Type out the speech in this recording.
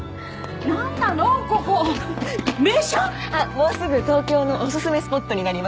もうすぐ東京のオススメスポットになります